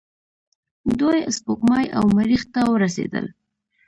دوی سپوږمۍ او مریخ ته ورسیدل.